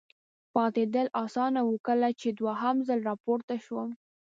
پاتېدل اسانه و، کله چې دوهم ځل را پورته شوم.